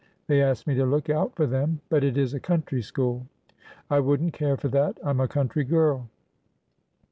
They asked me to look out for them. But it is a country school." I would n't care for that. I 'm a country girl."